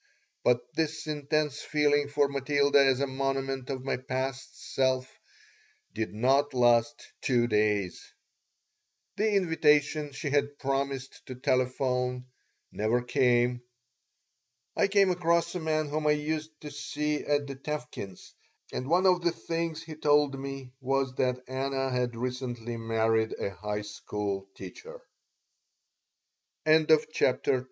But this intense feeling for Matilda as a monument of my past self did not last two days The invitation she had promised to telephone never came I came across a man whom I used to see at the Tevkins', and one of the things he told me was that Anna had recently married a high school teacher CHAPTER III THE real estate bo